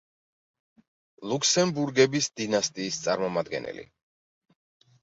ლუქსემბურგების დინასტიის წარმომადგენელი.